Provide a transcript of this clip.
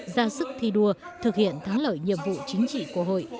ra sức thi đua thực hiện thắng lợi nhiệm vụ chính trị của hội